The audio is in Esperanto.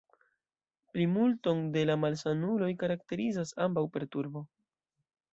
Plimulton de la malsanuloj karakterizas ambaŭ perturbo.